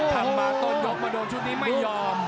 ทำมาต้นดอกมาโดนชุดนี้ไม่ยอม